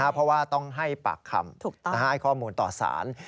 เพราะว่าต้องให้ปากคำให้ข้อมูลต่อสาร